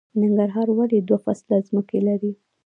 ننګرهار ولې دوه فصله ځمکې لري؟